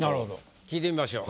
聞いてみましょう。